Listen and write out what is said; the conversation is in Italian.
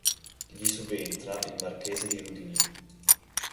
Gli subentra il marchese Di Rudinì.